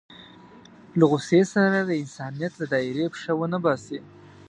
له غوسې سره د انسانيت له دایرې پښه ونه باسي.